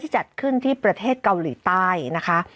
จัดขึ้นที่ประเทศเกาหลีใต้นะคะ